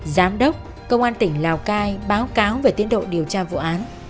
giám đốc công an tỉnh lào cai báo cáo về tiến độ điều tra vụ án